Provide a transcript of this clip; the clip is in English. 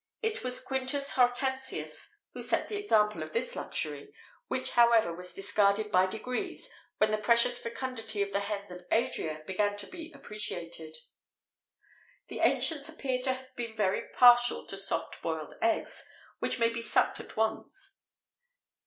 It was Quintus Hortensius who set the example of this luxury,[XVIII 77] which, however, was discarded by degrees when the precious fecundity of the hens of Adria began to be appreciated.[XVIII 78] The ancients appear to have been very partial to soft boiled eggs, which may be sucked at once.